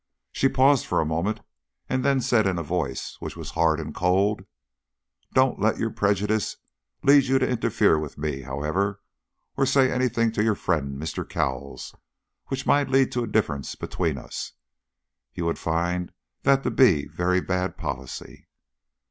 She paused for a moment, and then said in a voice which was hard and cold "Don't let your prejudice lead you to interfere with me, however, or say anything to your friend, Mr. Cowles, which might lead to a difference between us. You would find that to be very bad policy."